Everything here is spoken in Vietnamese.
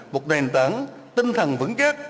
một nền tảng tinh thần vững chắc